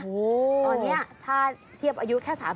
ตอนนี้ถ้าเทียบอายุแค่๓๐